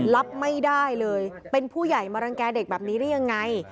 รับไม่ได้เลยเป็นผู้ใหญ่มารังแก่เด็กแบบนี้ได้ยังไง